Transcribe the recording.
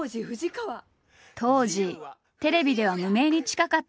当時テレビでは無名に近かった松下。